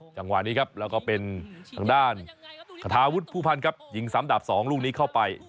จังหวะนี้ครับแล้วก็เป็นทางด้านคาทาวุฒิผู้พันธ์ครับยิงซ้ำดับ๒ลูกนี้เข้าไป